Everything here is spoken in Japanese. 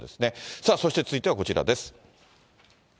さあ、そして続いてはこちらです。